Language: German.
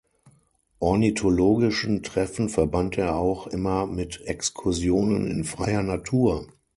Ornithologischen Treffen verband er auch immer mit Exkursionen in freier Natur.